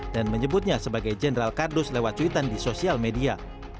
dan menyebutnya sebagai general kardus lewat cuitan di sosial media